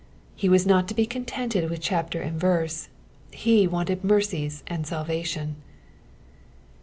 He was not to be contented with chapter and verse, he wanted mercies and salvation.